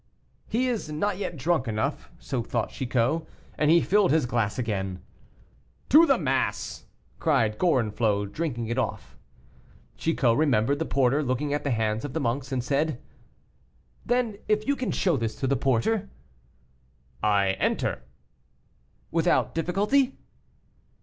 "He is not yet drunk enough;" so thought Chicot; and he filled his glass again. "To the mass!" cried Gorenflot, drinking it off. Chicot remembered the porter looking at the hands of the monks, and said "Then, if you show this to the porter " "I enter." "Without difficulty?"